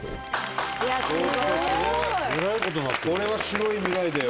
これは白い未来だよ。